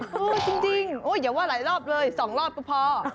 จริงอย่าว่าหลายรอบเลย๒รอบก็พอ